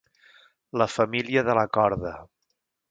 La família de la corda.